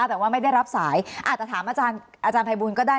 แต่ว่าไม่ได้รับสายอาจจะถามอาจารย์ภัยบูลก็ได้